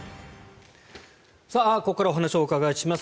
ここからお話をお伺いします。